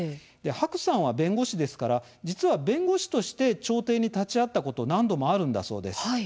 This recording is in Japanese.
白さんは弁護士ですから実は、弁護士として調停に立ち会ったこと何度もあるんだそうです。